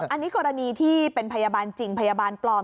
อันนี้กรณีที่เป็นพยาบาลจริงพยาบาลปลอม